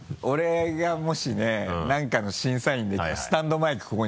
俺がもしね何かの審査員でスタンドマイク